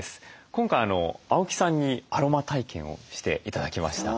今回青木さんにアロマ体験をして頂きました。